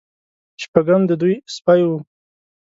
شپږم د دوی سپی و.